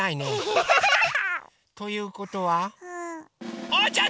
アハハハ！ということはおうちゃんのかち！